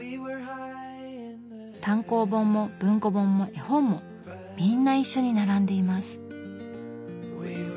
単行本も文庫本も絵本もみんな一緒に並んでいます。